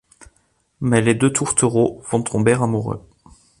Mais les deux tourtereaux vont tomber amoureux...